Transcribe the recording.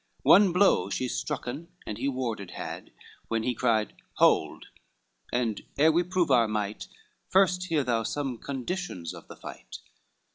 One blow she strucken, and he warded had, When he cried, "Hold, and ere we prove our might, First hear thou some conditions of the fight."